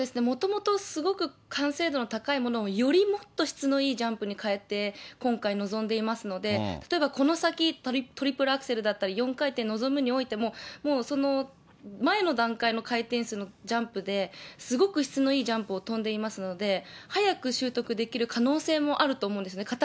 もともとすごく完成度の高いものを、よりもっと質のいいジャンプに変えて、今回臨んでいますので、例えば、この先、トリプルアクセルだったり、４回転臨むにおいても、もうその前の段階の回転数のジャンプで、すごく質のいいジャンプを跳んでいますので、早く習得できる可能性もあると思うんですね。